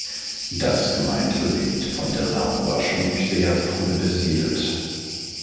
Das Gemeindegebiet von Delain war schon sehr früh besiedelt.